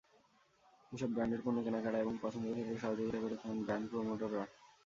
এসব ব্র্যান্ডের পণ্য কেনাকাটায় এবং পছন্দের ক্ষেত্রে সহযোগিতা করে থাকেন ব্র্যান্ড প্রমোটররা।